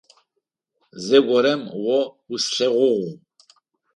Зэгорэм о услъэгъугъ.